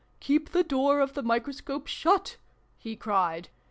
" Keep the door of the Microscope shut /" he cried.